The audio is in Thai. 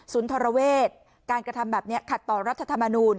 ทรเวศการกระทำแบบนี้ขัดต่อรัฐธรรมนูล